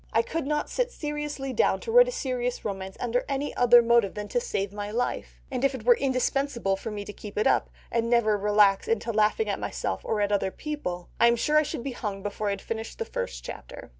I could not sit seriously down to write a serious romance under any other motive than to save my life; and if it were indispensable for me to keep it up, and never relax into laughing at myself or at other people, I am sure I should be hung before I had finished the first chapter.